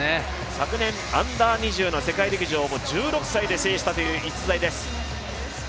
昨年Ｕ−２０の世界陸上を１６歳で制したという逸材です。